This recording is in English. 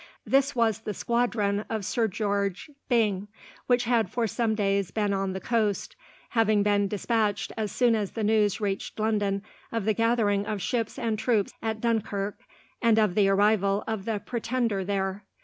This was the squadron of Sir George Byng, which had for some days been on the coast, having been despatched as soon as the news reached London of the gathering of ships and troops at Dunkirk, and of the arrival of the Pretender there.